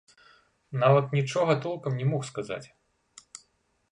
Нават нічога толкам не мог сказаць.